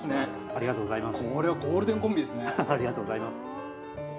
ありがとうございます。